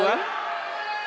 dan juga pendukung capres dua